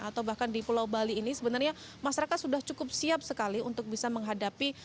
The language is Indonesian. atau bahkan di pulau bali ini sebenarnya masyarakat sudah cukup siap sekali untuk bisa menghadapi